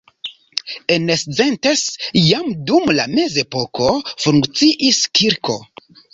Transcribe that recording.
En Szentes jam dum la mezepoko funkciis kirko.